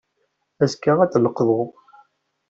Azekka, ad d-neqḍu.